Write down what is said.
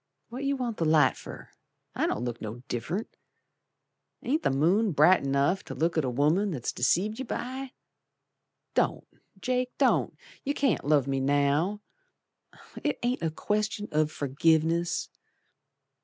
What you want the light fer? I don't look no diff'rent. Ain't the moon bright enough To look at a woman that's deceived yer by? Don't, Jake, don't, you can't love me now! It ain't a question of forgiveness.